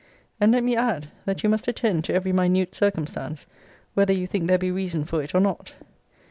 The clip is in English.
And let me add, that you must attend to every minute circumstance, whether you think there be reason for it, or not.